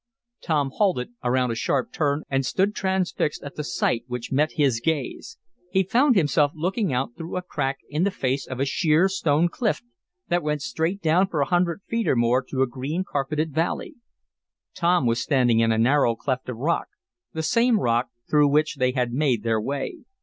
Tom halted around a sharp turn, and stood transfixed at the sight which met his gaze. He found himself looking out through a crack in the face of a sheer stone cliff that went straight down for a hundred feet or more to a green carpeted valley. Tom was standing in a narrow cleft of rock the same rock through which they had made their way.